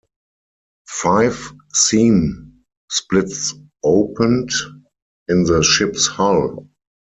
Five seam splits opened in the ship's hull.